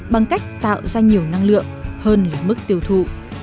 bằng cách tạo ra nhiều năng lượng hơn là mức tiêu thụ